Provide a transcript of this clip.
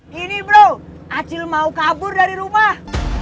gini bro acil mau kabur dari rumah